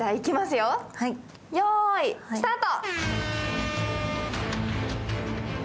よーい、スタート。